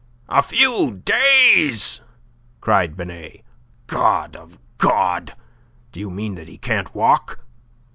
"A few days!" cried Binet. "God of God! Do you mean that he can't walk?"